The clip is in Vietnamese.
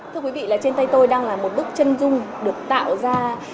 thưa quý vị trên tay tôi đang là một bức chân dung được tạo ra